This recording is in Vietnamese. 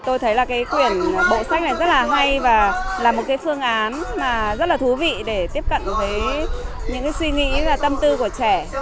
tôi thấy là quyển bộ sách này rất là hay và là một phương án rất là thú vị để tiếp cận với những suy nghĩ và tâm tư của trẻ